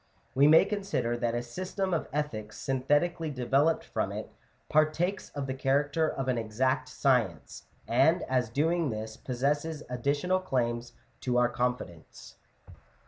110) — we may consider that a system of ethics synthetically developed from it, partakes of the character of an exact science ; and as doing this possesses additional claims to our confidence.